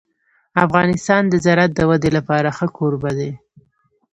افغانستان د زراعت د ودې لپاره ښه کوربه دی.